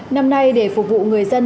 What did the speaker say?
năm nay để phục vụ người dân